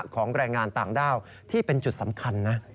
แรงงานต่างด้าวที่เป็นจุดสำคัญนะ